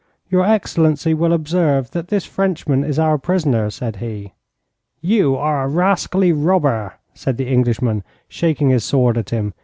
'Your excellency will observe that this Frenchman is our prisoner,' said he. 'You are a rascally robber,' said the Englishman, shaking his sword at him.